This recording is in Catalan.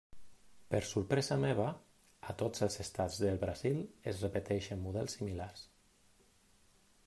Per sorpresa meva, a tots els estats del Brasil es repeteixen models similars.